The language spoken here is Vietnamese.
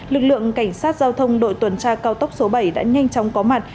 lực lượng cảnh sát giao thông đội tuần tra cao tốc số bảy đã nhanh chóng có mặt